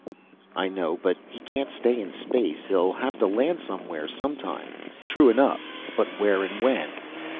"I know, but he can't stay in space. He'll have to land somewhere, sometime." "True enough but where and when?"